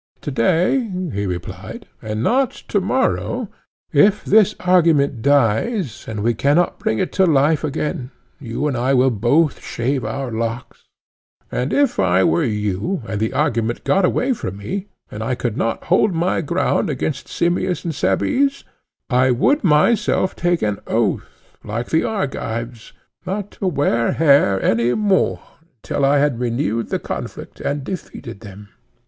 To day, he replied, and not to morrow, if this argument dies and we cannot bring it to life again, you and I will both shave our locks; and if I were you, and the argument got away from me, and I could not hold my ground against Simmias and Cebes, I would myself take an oath, like the Argives, not to wear hair any more until I had renewed the conflict and defeated them.